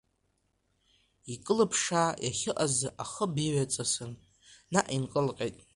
Икылԥшша иахьыҟаз ахыб иҩаҵасын, наҟ инкылҟьеит…